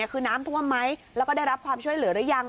คือน้ำท่วมไหมแล้วก็ได้รับความช่วยเหลือหรือยัง